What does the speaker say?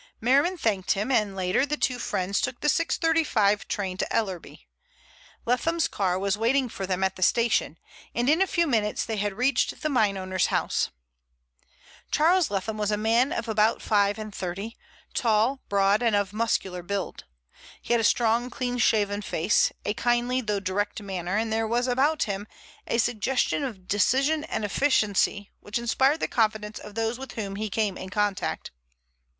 Merriman thanked him, and later on the two friends took the 6.35 train to Ellerby. Leatham's car was waiting for them at the station, and in a few minutes they had reached the mineowner's house. Charles Leatham was a man of about five and thirty, tall, broad, and of muscular build. He had a strong, clean shaven face, a kindly though direct manner, and there was about him a suggestion of decision and efficiency which inspired the confidence of those with whom he came in contact.